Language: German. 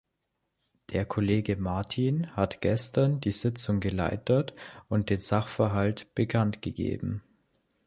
Der Kollege Martin hat gestern die Sitzung geleitet und den Sachverhalt bekanntgegeben.